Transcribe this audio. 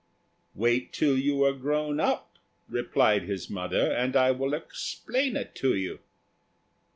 "Wait till you are grown up," replied his mother, "and I will explain it to you."